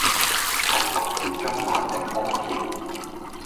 沉默是今晚的康橋